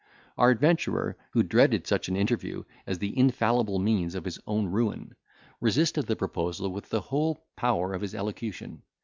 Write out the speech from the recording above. Our adventurer, who dreaded such an interview as the infallible means of his own ruin, resisted the proposal with the whole power of his elocution.